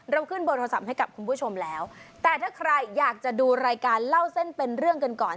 ขึ้นเบอร์โทรศัพท์ให้กับคุณผู้ชมแล้วแต่ถ้าใครอยากจะดูรายการเล่าเส้นเป็นเรื่องกันก่อน